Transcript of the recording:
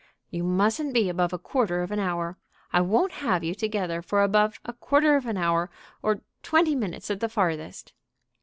"You mustn't be above a quarter of an hour. I won't have you together for above a quarter of an hour, or twenty minutes at the farthest."